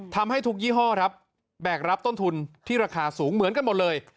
ทำให้ทุกยี่ห้อครับแบกรับต้นทุนที่ราคาสูงเหมือนกันหมดเลย